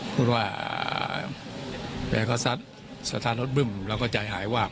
พูดว่าเวียกษัตริย์สถานรถบึ้มเราก็ใจหายวาบ